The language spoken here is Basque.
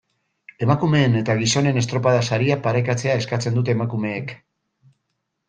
Emakumeen eta gizonen estropada-sariak parekatzea eskatzen dute emakumeek.